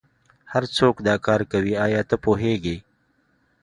هرڅوک دا کار کوي ایا ته پوهیږې